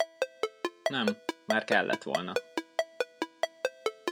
Nem, már kellett volna.